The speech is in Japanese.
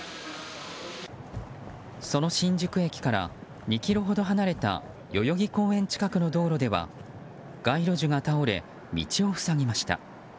その新宿駅から２ｋｍほど離れた代々木公園近くの道路では街路樹が倒れ、道を塞ぎました。